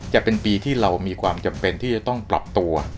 จะเป็นปีที่เรามีความจำเป็นที่จะต้องปรับตัว